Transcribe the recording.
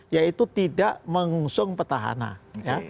yaitu tidak mengusung petahana ya